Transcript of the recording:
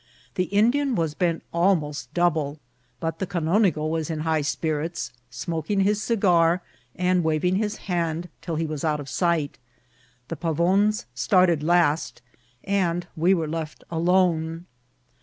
The Indian was bent almost double, but the canonigo was in high spirits, smoking his cigar, and waving his hand till he was out of sight. The Pavons started last, and we were left alone.